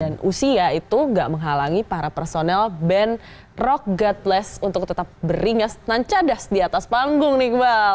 dan usia itu gak menghalangi para personel band rock god bless untuk tetap beringas dan cadas di atas panggung nih iqbal